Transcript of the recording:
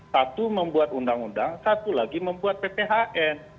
satu membuat undang undang satu lagi membuat pphn